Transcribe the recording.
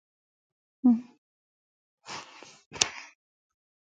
په" تذکرة الاولیاء" کښي دپښتو مخصوص توري په دغه اوسنۍ بڼه لیکل سوي دي.